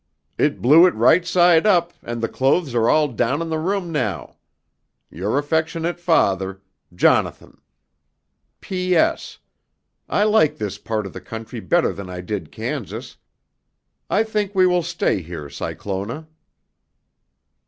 It blew it right side up and the clothes are all down in the room now.'" "'Your affectionate father,'" "'Jonathan.'" "'P.S. I like this part of the country better than I did Kansas. I think we will stay here, Cyclona.'"